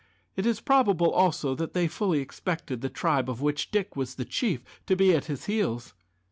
It is probable, also, that they fully expected the tribe of which Dick was the chief to be at his heels.